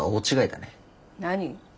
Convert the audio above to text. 何？